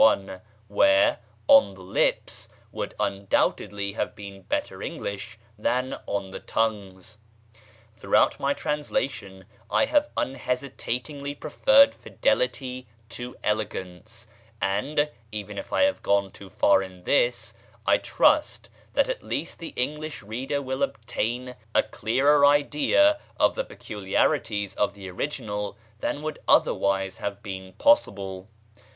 1, where "on the lips" would undoubtedly have been better English than "on the tongues." Throughout my translation I have unhesitatingly preferred fidelity to elegance; and, even if I have gone too far in this, I trust that at least the English reader will obtain a clearer idea of the peculiarities of the original than would otherwise have been possible.